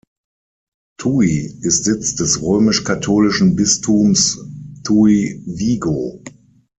Tui ist Sitz des römisch-katholischen Bistums Tui-Vigo.